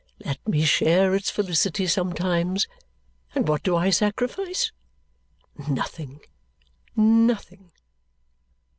Let me share its felicity sometimes, and what do I sacrifice? Nothing, nothing."